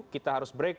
kita harus break